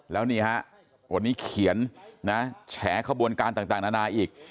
แล้วนี่ฮะวันนี้เขียนนะแฉขบวนการต่างนานาอีก